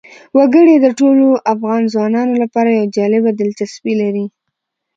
وګړي د ټولو افغان ځوانانو لپاره یوه جالبه دلچسپي لري.